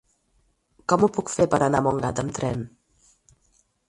Com ho puc fer per anar a Montgat amb tren?